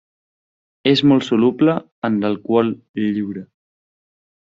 És molt soluble en l'alcohol lliure.